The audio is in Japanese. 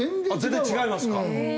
全然違いますか。